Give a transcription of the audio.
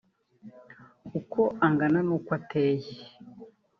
uko angana n’uko ateye